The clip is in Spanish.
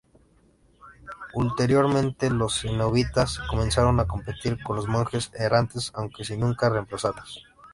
Ulteriormente los cenobitas comenzaron a competir con los monjes errantes aunque sin nunca reemplazarlos.